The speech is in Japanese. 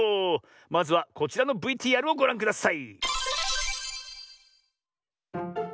まずはこちらのＶＴＲをごらんください。